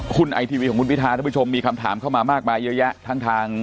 ครับว่าคุณมีคำถามเข้ามามากมายเยอะแยะทางทาง